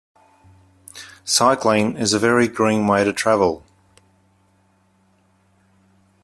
Cycling is a very green way to travel